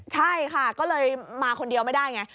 ใช่ค่ะก็เลยมาคนเดียวไม่ได้ไง